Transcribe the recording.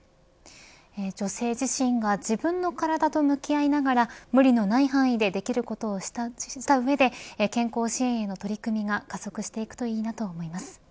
女性自身が自分の体と向き合いながら無理のない範囲でできることをした上で健康支援への取り組みが加速していくといいなと思います。